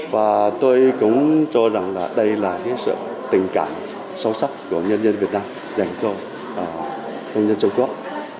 và tôi cũng cho rằng là đây là sự tình cảm sâu sắc của nhân dân việt nam dành cho công nhân trung quốc